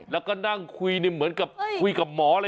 แล้วก็นั่งคุยเหมือนกับคุยกับหมอเลย